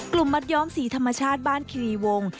กลุ่มมัดยอมสีธรรมชาติบ้านคิรีวงค์